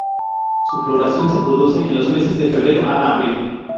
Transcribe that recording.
Su floración se produce en los meses de febrero a abril.